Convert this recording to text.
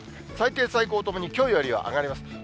最低、最高ともにきょうよりは上がります。